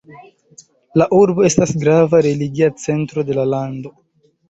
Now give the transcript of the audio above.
La urbo estas grava religia centro de la lando.